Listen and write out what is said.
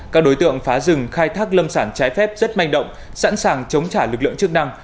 các đối tượng phá rừng khai thác lâm sản trái phép rất manh động sẵn sàng chống trả lực lượng chức năng